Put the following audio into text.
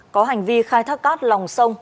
có hành vi khai thác cát lòng xong